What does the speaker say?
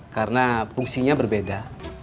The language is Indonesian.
karena fungsinya berbeda